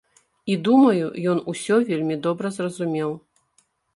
І думаю, ён усё вельмі добра зразумеў.